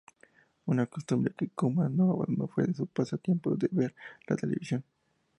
Una costumbre que Kuma no abandonó fue su pasatiempo de ver la televisión.